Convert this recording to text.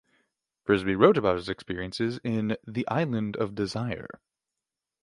Frisbie wrote about his experiences in "The Island of Desire".